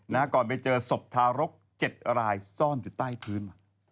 นะครับก่อนไปเจอศพทารก๗รายซ่อนอยู่ใต้พื้น